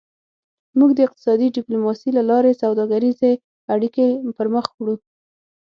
موږ د اقتصادي ډیپلوماسي له لارې سوداګریزې اړیکې پرمخ وړو